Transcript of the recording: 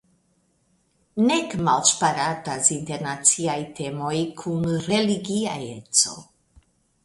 Nek malŝparatas internaciaj temoj kun religia eco.